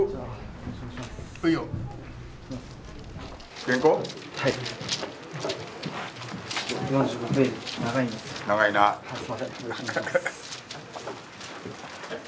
よろしくお願いします。